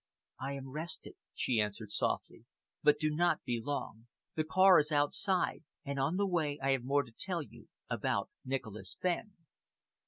"I am rested," she answered softly, "but do not be long. The car is outside, and on the way I have more to tell you about Nicholas Fenn."